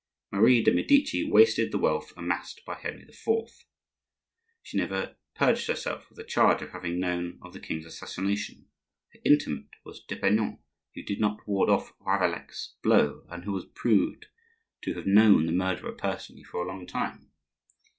Marie de' Medici wasted the wealth amassed by Henri IV.; she never purged herself of the charge of having known of the king's assassination; her intimate was d'Epernon, who did not ward off Ravaillac's blow, and who was proved to have known the murderer personally for a long time.